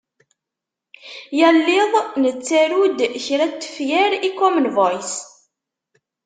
Yal iḍ nettaru-d kra n tefyar i Common Voice.